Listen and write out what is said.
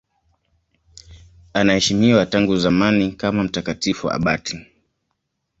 Anaheshimiwa tangu zamani kama mtakatifu abati.